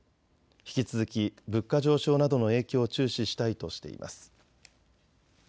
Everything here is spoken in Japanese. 引き続き物価上昇などの影響を注視したいとしています。